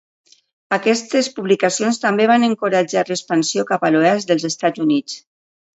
Aquestes publicacions també van encoratjar l'expansió cap a l'oest dels Estats Units.